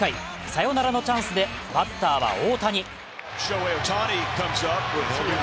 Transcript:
サヨナラのチャンスでバッターは大谷。